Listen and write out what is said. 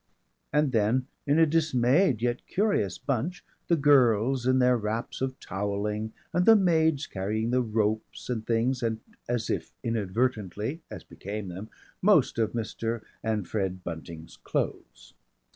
And then, in a dismayed yet curious bunch, the girls in their wraps of towelling and the maids carrying the ropes and things and, as if inadvertently, as became them, most of Mr. and Fred Bunting's clothes.